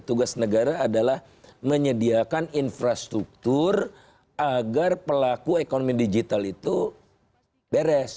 tugas negara adalah menyediakan infrastruktur agar pelaku ekonomi digital itu beres